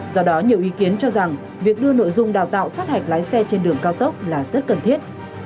do đó nhiều ý kiến cho rằng việc đưa nội dung đào tạo sát hạch lái xe trên đường cao tốc là rất cần thiết